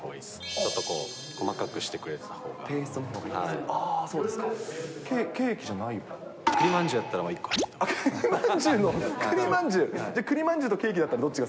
ちょっと細かくしてくれてたほうが。